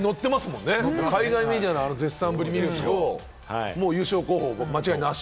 海外メディアの絶賛ぶりを見ると、優勝候補、間違いなし。